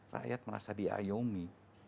rakyat merasa diayomi